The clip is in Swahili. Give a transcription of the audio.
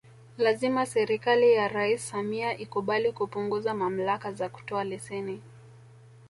Lazima serikali ya Rais Samia ikubali kupunguza mamlaka za kutoa leseni